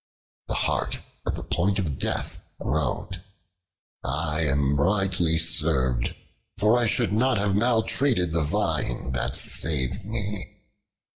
The Hart, at the point of death, groaned: "I am rightly served, for I should not have maltreated the Vine that saved me."